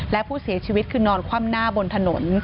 และผู้เสียชีวิตคือนอนคว่ำหน้าบนถนน